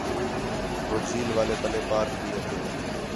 ہو جھیل والے پَلّے پارک بھی ہتھے